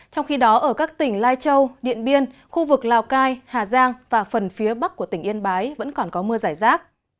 trong khi đó ở các tỉnh lai châu điện biên khu vực lào cai hà giang và phần phía bắc của tỉnh yên bái vẫn còn có mưa giải rác